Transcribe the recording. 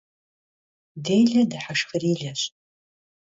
Dêle dıheşşxırileş.